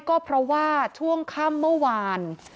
ก็เพราะว่าช่วงค่ำเมื่อวาน